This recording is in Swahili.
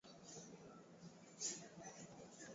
Kuangalia ni bure.